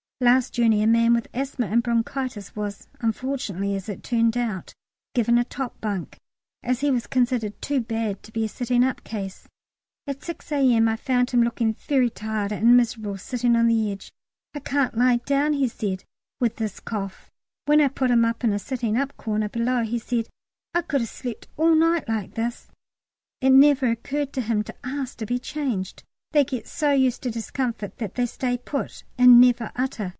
Last journey a man with asthma and bronchitis was, unfortunately as it turned out, given a top bunk, as he was considered too bad to be a sitting up case. At 6 A.M. I found him looking very tired and miserable sitting on the edge; "I can't lie down," he said, "with this cough." When I put him in a sitting up corner below, he said, "I could a'slep' all night like this!" It had never occurred to him to ask to be changed. They get so used to discomfort that they "stay put" and never utter.